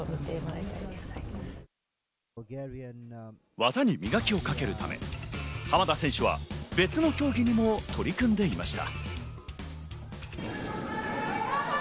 技に磨きをかけるため、浜田選手は別の競技にも取り組んでいました。